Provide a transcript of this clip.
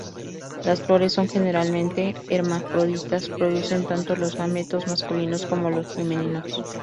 Las flores son generalmente hermafroditas, producen tanto los gametos masculinos como los femeninos.